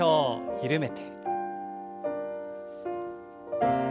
緩めて。